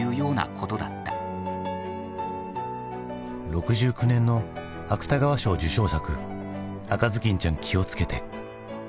６９年の芥川賞受賞作「赤頭巾ちゃん気をつけて」。